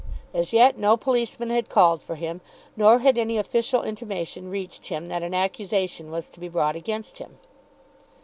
As yet no policeman had called for him, nor had any official intimation reached him that an accusation was to be brought against him.